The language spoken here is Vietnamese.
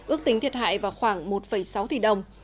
ước tính thiệt hại vào khoảng một sáu tỷ đồng